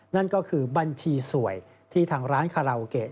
นั่นก็คือบัญชีสวยที่ทางร้านคาราโอเกะ